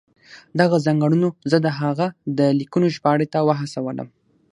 دغو ځانګړنو زه د هغه د لیکنو ژباړې ته وهڅولم.